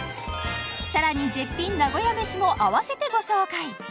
さらに絶品名古屋めしもあわせてご紹介